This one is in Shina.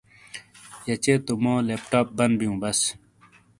یچے تو مو لیپ ٹاپ بن بیوبس۔